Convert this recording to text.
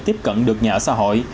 tiếp cận được nhà ở xã hội